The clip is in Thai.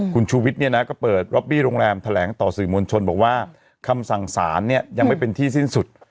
คุณชูวิทย์เนี่ยนะก็เปิดรอบบี้โรงแรมแถลงต่อสื่อมวลชนบอกว่าคำสั่งสารเนี่ยยังไม่เป็นที่สิ้นสุด